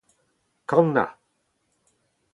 kannañ